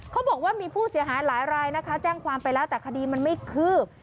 เขาบอกว่ามีผู้เสียหายหลายรายนะคะแจ้งความไปแล้วแต่คดีมันไม่คืบ